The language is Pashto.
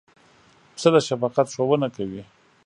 پسه د شفقت ښوونه کوي.